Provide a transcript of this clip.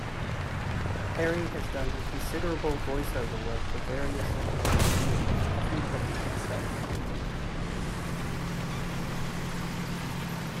Perry has done considerable voice-over work for various animated series, often playing himself.